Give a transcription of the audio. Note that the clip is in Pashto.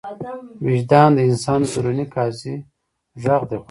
وجدان د انسان د دروني قاضي غږ دی.